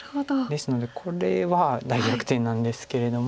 ですのでこれは大逆転なんですけれども。